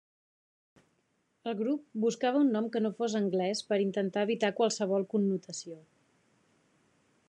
El grup buscava un nom que no fos anglès per intentar evitar qualsevol connotació.